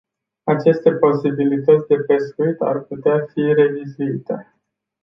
Aceste posibilități de pescuit ar putea fi revizuite.